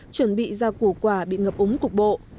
chuẩn bị ra củ quả bị ngập úng cục bộ